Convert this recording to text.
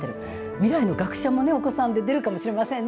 未来の学者もね、お子さんで出るかもしれませんね。